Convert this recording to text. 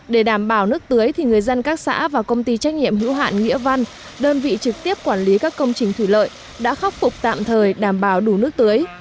để đảm bảo nước tưới thì người dân các xã và công ty trách nhiệm hữu hạn nghĩa văn đơn vị trực tiếp quản lý các công trình thủy lợi đã khắc phục tạm thời đảm bảo đủ nước tưới